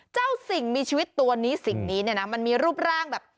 สิ่งมีชีวิตตัวนี้สิ่งนี้เนี่ยนะมันมีรูปร่างแบบ